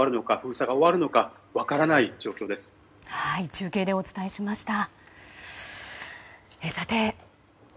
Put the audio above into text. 中継でお伝えしました。